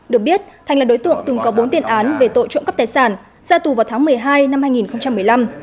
được biết thành là đối tượng từng có bốn tiền án về tội trộm cắp tài sản ra tù vào tháng một mươi hai năm hai nghìn một mươi năm